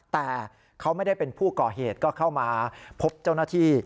แต่เขาไม่ได้เป็นผู้ก่อเหตุก็เข้ามาพบเจ้าหน้าที่